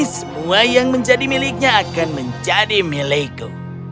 semua yang menjadi miliknya akan menjadi milikku